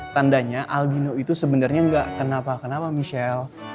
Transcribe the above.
tandanya aldino itu sebenarnya nggak kenapa kenapa michelle